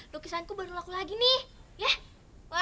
dokisanku baru laku lagi nih ya wah selamat ya